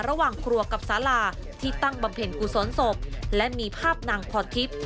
ระหว่างครัวกับสาราที่ตั้งบำเพ็ญกุศลศพและมีภาพนางพรทิพย์